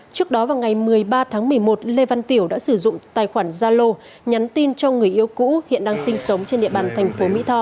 trước đó vào ngày một mươi ba tháng một mươi một lê văn tiểu đã sử dụng tài khoản zalo nhắn tin cho người yêu cũ hiện đang sinh sống trên địa bàn thành phố mỹ tho